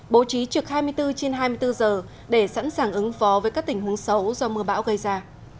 bố trí trực hai mươi bốn trên hai mươi bốn giờ để sẵn sàng ứng phó với các tình huống xấu do mưa bão gây ra